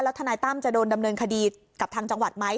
ทนายตั้มจะโดนดำเนินคดีกับทางจังหวัดไหม